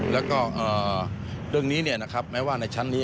แล้วก็เรื่องนี้แม้ว่าในชั้นนี้